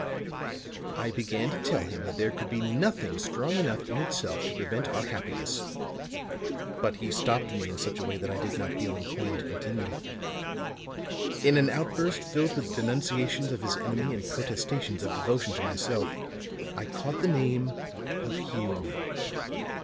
"I began to tell him that there could be nothing strong enough in itself to prevent our happiness; but he stopped me in such a way that I did not feel inclined to continue. In an outburst, filled with denunciations of his enemy and protestations of devotion to myself, I caught the name of Hume.